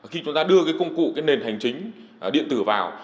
khi chúng ta đưa cái công cụ cái nền hành chính điện tử vào